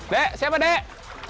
dek siapa dek